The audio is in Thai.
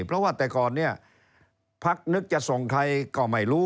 เพราะว่าแต่ก่อนเนี่ยพักนึกจะส่งใครก็ไม่รู้